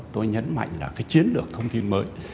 tôi nhấn mạnh là chiến lược thông tin mới